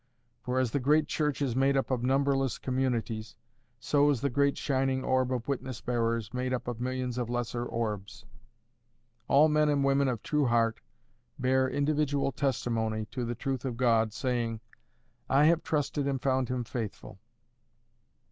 For as the great church is made up of numberless communities, so is the great shining orb of witness bearers made up of millions of lesser orbs. All men and women of true heart bear individual testimony to the truth of God, saying, "I have trusted and found Him faithful."